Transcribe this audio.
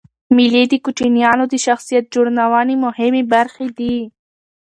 مېلې د کوچنيانو د شخصیت جوړنوني مهمي برخي دي.